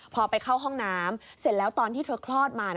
พอไปเข้าห้องน้ำเสร็จแล้วตอนที่เธอคลอดมา